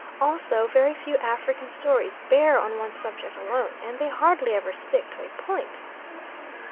Also very few African stories bear on one subject alone, and they hardly ever stick to a point.